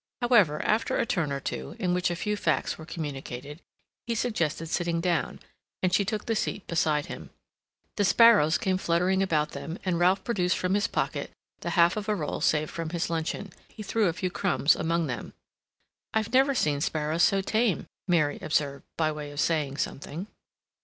However, after a turn or two, in which a few facts were communicated, he suggested sitting down, and she took the seat beside him. The sparrows came fluttering about them, and Ralph produced from his pocket the half of a roll saved from his luncheon. He threw a few crumbs among them. "I've never seen sparrows so tame," Mary observed, by way of saying something.